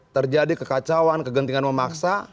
terjadi kekacauan kegentingan memaksa